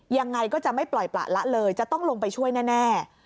ยังไงก็จะไม่ปล่อยประละเลยจะต้องลงไปช่วยแน่